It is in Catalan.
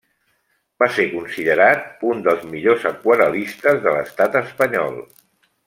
Va ser considerat un dels millors aquarel·listes de l'estat espanyol.